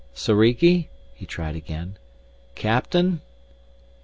"Soriki?" he tried again. "Captain?